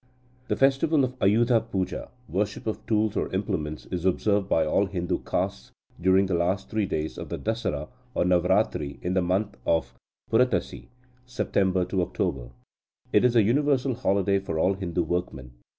The festival of Ayudha Puja (worship of tools or implements) is observed by all Hindu castes during the last three days of the Dasara or Navarathri in the month of Purattasi (September October). It is a universal holiday for all Hindu workmen.